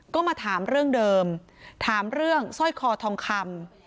ก็มาถามเรื่องเดิมถามเรื่องสร้อยคอทองคำ